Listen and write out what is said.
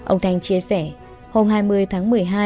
ông thanh chia sẻ hôm hai mươi tháng một mươi hai